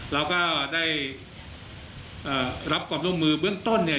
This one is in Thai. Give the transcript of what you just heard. แล้วก็ได้รับความร่วมมือเบื้องต้นเนี่ย